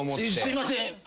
すいません。